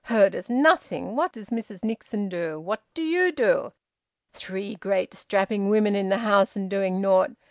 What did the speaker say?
"Her does nothing! What does Mrs Nixon do? What do you do? Three great strapping women in the house and doing nought!